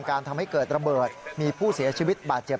ทำให้เกิดระเบิดมีผู้เสียชีวิตบาดเจ็บ